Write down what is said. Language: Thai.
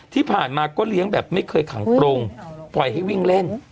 ที่ผ่านมาก็เลี้ยงแบบไม่เคยขังปรุงปล่อยให้วิ่งเล่น